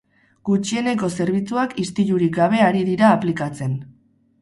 Gutxieneko zerbitzuak istilurik gabe ari dira aplikatzen.